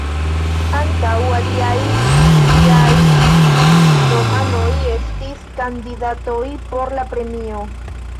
Ankaŭ aliaj liaj romanoj estis kandidatoj por la premio.